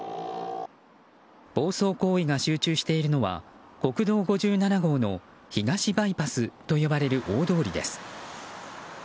暴走行為が集中しているのは国道５７号の東バイパスと呼ばれる大通りです。